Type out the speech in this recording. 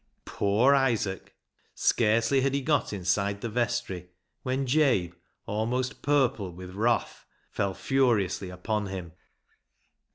Poor Isaac ! scarcely had he got inside the vestry when Jabe, almost purple with wrath, fell furiously upon him.